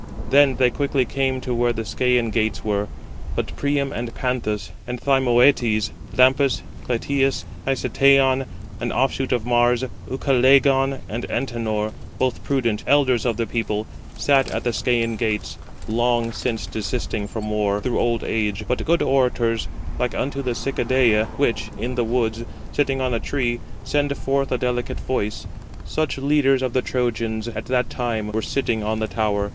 Then they quickly came to where the Scæan gates were. But Priam and Panthous, and Thymœtes, Lampus, Clytius, Hicetaon, an offshoot of Mars, Ucalegon, and Antenor, both prudent, elders of the people, sat at the Scæan gates, long since desisting from war, through old age: but good orators, like unto the Cicadæ, 153 which, in the woods, sitting on a tree, send forth a delicate voice; such leaders of the Trojans at that time were sitting on the tower.